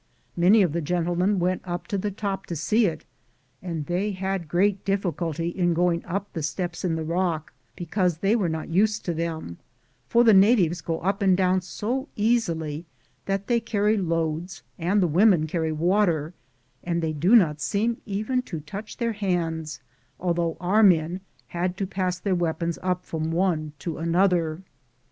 Many of the gentlemen went up to the top to see it, and they had great difficulty in going up the steps in the rock, because they were not used to them, for the natives go up and down so easily that they carry loads and the women carry water, and they do not seem even to touch their hands, al though our men had to pass their weapons up from one to another.